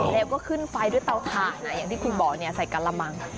แล้วก็ขึ้นไฟด้วยเตาถ่านอย่างที่คุณบอกใส่กะละมัง